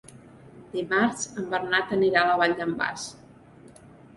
Dimarts en Bernat anirà a la Vall d'en Bas.